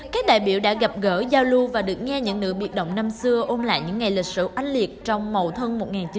các đại biểu đã gặp gỡ giao lưu và được nghe những nữ biệt động năm xưa ôm lại những ngày lịch sử ánh liệt trong màu thân một nghìn chín trăm bảy mươi